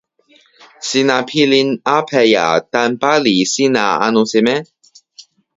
sina pilin apeja tan pali sina anu seme?